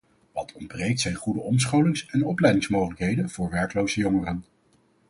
Wat ontbreekt zijn goede omscholings- en opleidingsmogelijkheden voor werkloze jongeren.